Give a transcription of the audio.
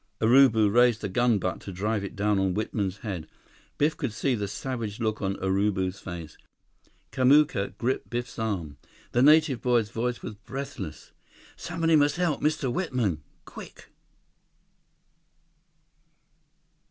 Urubu raised the gun butt to drive it down on Whitman's head. Biff could see the savage look on Urubu's face. Kamuka gripped Biff's arm. The native boy's voice was breathless: "Somebody must help Mr. Whitman! Quick!"